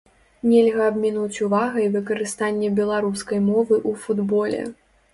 Нельга абмінуць увагай выкарыстанне беларускай мовы ў футболе.